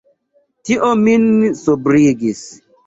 Tio min sobrigis.